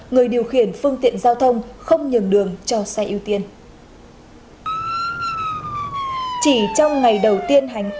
người điều khiển phương tiện giao thông không nhường đường cho xe ưu tiên